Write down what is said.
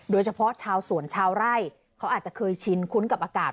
โดยเฉพาะชาวสวนชาวไร่เขาอาจจะเคยชินคุ้นกับอากาศ